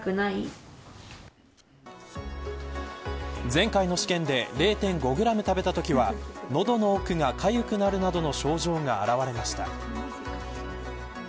前回の試験で０．５グラム食べたときは喉の奥がかゆくなるなどの症状が現れました。